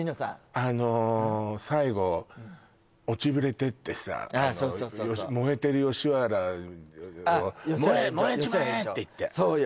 あの最後落ちぶれてってさ燃えてる吉原を燃えちまえーって言ってそうよ